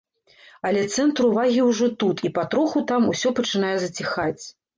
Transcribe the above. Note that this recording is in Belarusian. Але цэнтр увагі ўжо тут, і патроху там усё пачынае заціхаць.